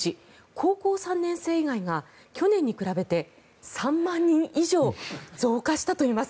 高校３年生以外が去年に比べて３万人以上増加したといいます。